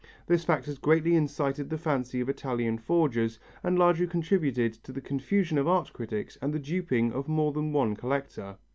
This fact has greatly incited the fancy of Italian forgers and largely contributed to the confusion of art critics and the duping of more than one collector.